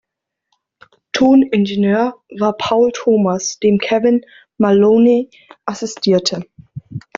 Toningenieur war Paul Thomas, dem Kevin Maloney assistierte.